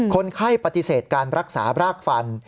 คนไข้ปฏิเสธการรักษารากฟัน